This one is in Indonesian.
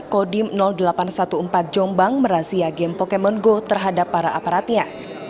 kodim delapan ratus empat belas jombang merazia game pokemon go terhadap para aparatnya